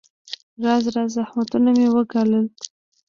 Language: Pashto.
راز راز زحمتونه مې وګالل.